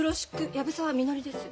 藪沢みのりです。